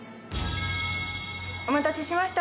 お待たせしました。